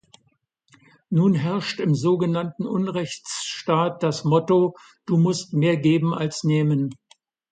Nun herrscht im sogenannten Unrechtsstaat das Motto „Du musst mehr geben als nehmen“.